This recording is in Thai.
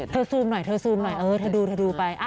เธอซูมหน่อยเธอซูมหน่อยเออเธอดูไป